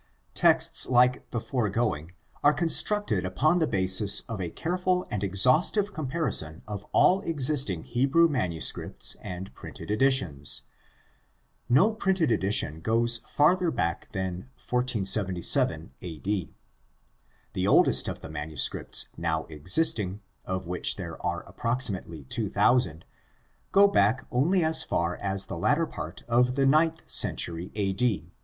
Texts like the foregoing are constructed upon the basis of a careful and exhaustive comparison of all existing Hebrew manuscripts and printed editions. No printed edition goes OLD TESTAMENT AND RELIGION OF ISRAEL 91 farther back than 1477 a.d. The oldest of the manuscripts now existing, of which there are approximately two thousand, go back only as far as the latter part of the ninth century A.D.